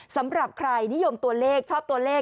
สำหรับใครนิยมตัวเลขชอบตัวเลข